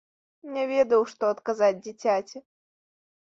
Не ведаў, што адказаць дзіцяці.